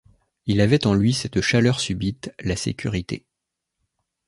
Il avait en lui cette chaleur subite, la sécurité.